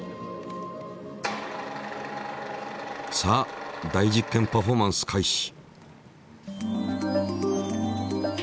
さあ大実験パフォーマンス開始。